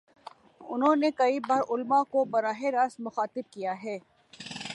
انہوں نے کئی بارعلما کو براہ راست مخاطب کیا ہے۔